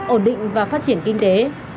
ổn định và phát triển kinh tế